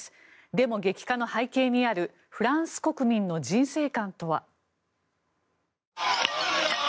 デモ激化の背景にあるフランス国民の人生観とは。